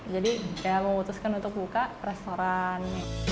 jadi ya memutuskan untuk buka restoran